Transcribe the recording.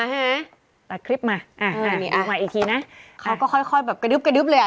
ใช่ไหมตัดคลิปมาอ่ามาอีกทีนะเขาก็ค่อยค่อยแบบกระดูกกระดูกเลยอ่ะ